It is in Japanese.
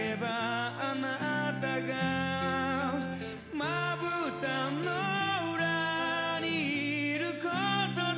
「まぶたのうらにいることで」